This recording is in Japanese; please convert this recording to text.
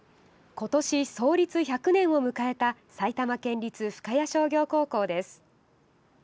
ことし創立１００年を迎えた埼玉県立深谷商業高校です。